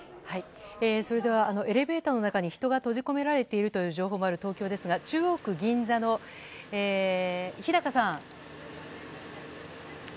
それではエレベーターの中に人が閉じ込められているという情報もある東京ですが中央区銀座の日高さん。